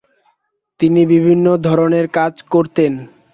তিনি বিভিন্ন ধরনের কাজ করতেন।